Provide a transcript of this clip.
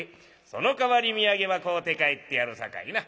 そのかわり土産は買うて帰ってやるさかいな。